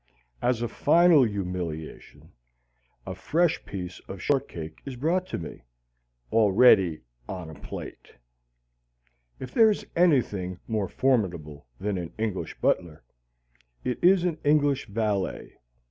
As a final humiliation, a fresh piece of shortcake is brought to me already on a plate. If there is anything more formidable than an English butler, it is an English valet.